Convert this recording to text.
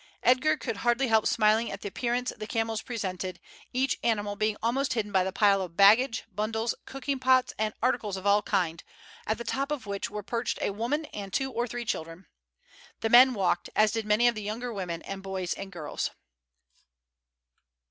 Edgar could hardly help smiling at the appearance the camels presented, each animal being almost hidden by the pile of baggage, bundles, cooking pots, and articles of all kinds, at the top of which were perched a woman and two or three children. The men walked, as did many of the younger women and boys and girls.